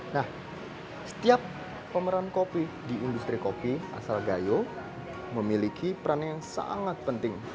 nah setiap pemeran kopi di industri kopi asal gayo memiliki peran yang sangat penting